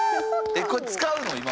これ使うの？